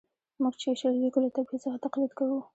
موږ چي شعر لیکو له طبیعت څخه تقلید کوو.